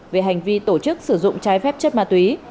về hành vi tổ chức sử dụng trái phép chất ma túy